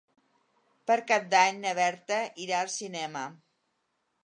Per Cap d'Any na Berta irà al cinema.